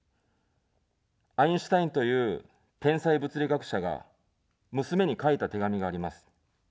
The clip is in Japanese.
アインシュタインという天才物理学者が娘に書いた手紙があります。